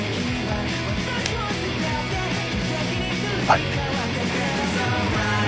はい。